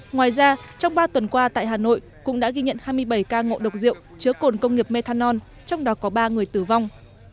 ngoài ra trong ba tuần qua tại hà nội cũng đã ghi nhận hai mươi bảy ca ngộ độc rượu chứa cồn công nghiệp methanol trong đó có ba người tử vong